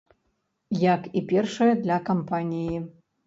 Як і першая, для кампаніі.